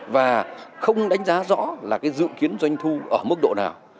và không đánh giá rõ là cái dự kiến doanh thu ở mức độ nào